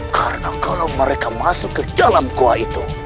karena kalau mereka masuk ke dalam goa itu